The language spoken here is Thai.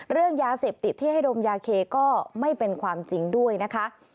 เรื่องยาเสพติดที่ให้ดมยาเคก็ไม่เป็นความจริงด้วยนะคะ